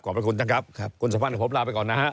ขอบคุณจังครับคุณสัมพันธ์กับผมลาไปก่อนนะ